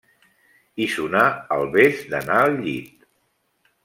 I sonà el bes d'anar al llit.